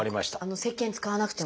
せっけん使わなくても？